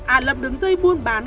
à lập đứng dây buôn bán